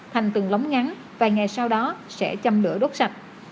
thành từng lóng ngắn vài ngày sau đó sẽ chăm lửa đốt sạch